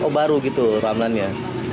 oh baru gitu ramlannya